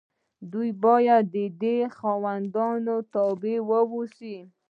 دوی باید د دې خاوندانو تابع واوسي.